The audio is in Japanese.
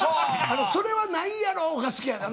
それは、ないやろが好きやねん。